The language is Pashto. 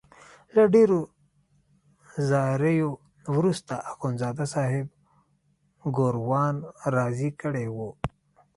له ډېرو زاریو وروسته اخندزاده صاحب ګوروان راضي کړی وو.